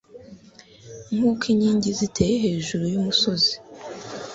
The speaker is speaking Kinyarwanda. nk'uko inkingi ziteye hejuru y'umusozi